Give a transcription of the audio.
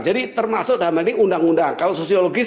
jadi termasuk undang undang kalau sosiologis